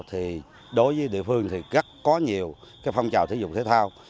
thì đối với địa phương thì rất có nhiều phong trào thể dục thể thao